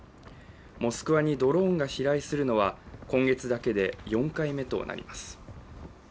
モスクワにドローンが飛来するのは今月だけで４回目となります。